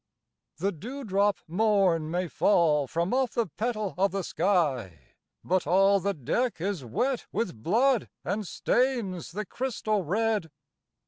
"The dewdrop morn may fall from off the petal of the sky, But all the deck is wet with blood and stains the crystal red.